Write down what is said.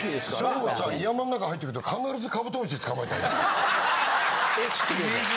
翔さん山の中入ってくると必ずカブトムシ捕まえてんの。